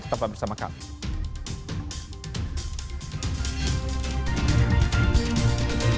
tetap bersama kami